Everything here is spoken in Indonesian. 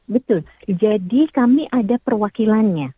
betul jadi kami ada perwakilannya